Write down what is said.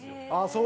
そう。